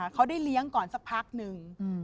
เขาได้เลี้ยงก่อนสักพักหนึ่ง